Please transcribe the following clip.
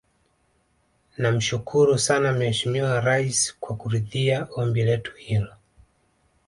Namshukuru sana Mheshimiwa Rais kwa kuridhia ombi letu hilo